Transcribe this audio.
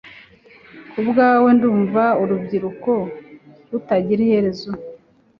kubwawe, ndumva urubyiruko rutagira iherezo